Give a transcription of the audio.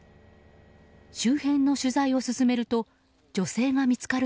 周辺の取材を進めると女性が見つかる